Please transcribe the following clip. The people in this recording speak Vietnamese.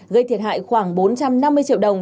gây thiệt hại khoảng bốn trăm năm mươi triệu đồng